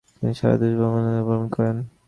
তিনি সারা দেশ জুড়ে অবিশ্রান্তভাবে ভ্রমণ করেন।